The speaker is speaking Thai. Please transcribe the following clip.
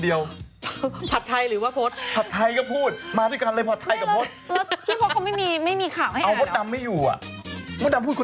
เดี๋ยวพี่โพสต์ก็โทรศัพท์มาหาคุณหรอก